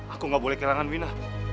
aku gak boleh kehilangan wina